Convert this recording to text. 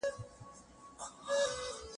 لوړه يووالی ټينګوي.